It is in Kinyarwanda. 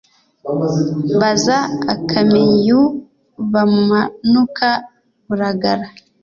Baza Akameyu bamanuka Buragara